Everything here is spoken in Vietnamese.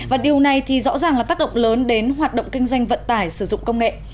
và điều này thì rõ ràng là tác động lớn đến hoạt động kinh doanh vận tải sử dụng công nghệ